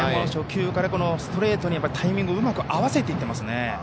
初球からストレートにタイミングをうまく合わせていっていますね。